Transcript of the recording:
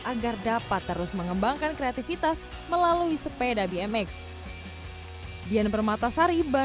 agar dapat terus mengembangkan kreativitas melalui sepeda bmx